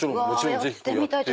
やってみたい！